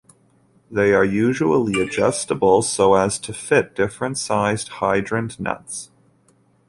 They are usually adjustable so as to fit different sized hydrant nuts.